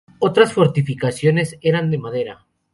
Otras fortificaciones eran de madera.